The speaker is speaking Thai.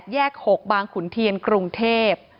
แยก๖บางขุนเทียนกรุงเทพ